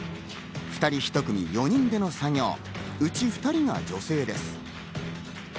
２人１組、４人での作業、うち２人が女性です。